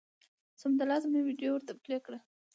سمدلاسه مې ویډیو ورته پلې کړه